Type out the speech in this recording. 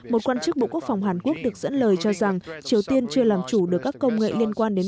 bộ quốc phòng hàn quốc được dẫn lời cho rằng triều tiên chưa làm chủ được các công nghệ liên quan đến